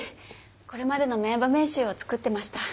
これまでの名場面集を作ってました。